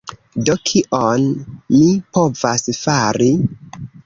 Do, kion mi povas fari?